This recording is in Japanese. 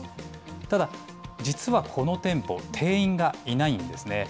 ただ、実はこの店舗、店員がいないんですね。